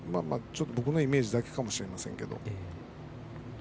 僕のイメージだけかもしれませんけど。